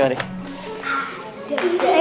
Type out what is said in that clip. aduh ini berapa ini